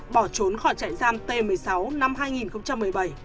bỏ trốn khỏi trại giam t một mươi sáu năm hai nghìn một mươi bảy